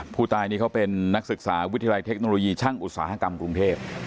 ผู้ตายนี่เขาเป็นนักศึกษาวิทยาลัยเทคโนโลยีช่างอุตสาหกรรมกรุงเทพ